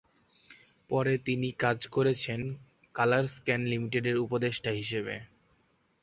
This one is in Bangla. পরে তিনি কাজ করেছেন কালার স্ক্যান লিমিটেডের উপদেষ্টা হিসেবে।